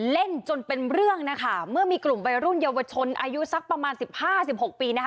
เล่นจนเป็นเรื่องนะคะเมื่อมีกลุ่มวัยรุ่นเยาวชนอายุสักประมาณสิบห้าสิบหกปีนะคะ